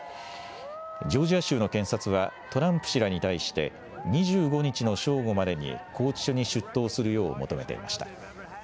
ジョージア州の検察はトランプ氏らに対して、２５日の正午までに拘置所に出頭するよう求めていました。